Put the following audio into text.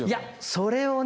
それをね